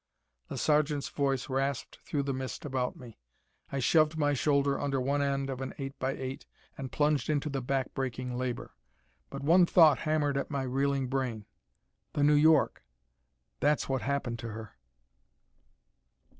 The sergeant's voice rasped through the mist about me. I shoved my shoulder under one end of an eight by eight and plunged into the back breaking labor. But one thought hammered at my reeling brain: "The New York! That's what happened to her!"